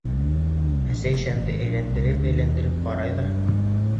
Әсә шәмде әйләндереп-әйләндереп ҡарай ҙа: